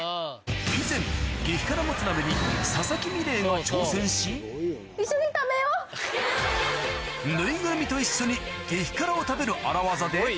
以前激辛もつ鍋に佐々木美玲が挑戦しぬいぐるみと一緒に激辛を食べる荒業で・